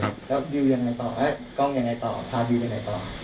มารับที่บ้านแล้วกล้องยังไงต่อพาบิวไปไหนต่อ